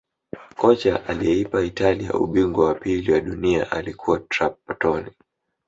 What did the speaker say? kocha aliyeipa italia ubingwa wa pili wa dunia alikuwa trapatoni